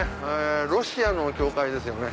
ロシアの教会ですよね。